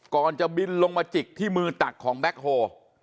ก่อนจะบินลงมาจิกที่มือตักของแบ็คโฮ